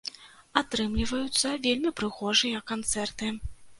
Атрымліваюцца вельмі прыгожыя канцэрты.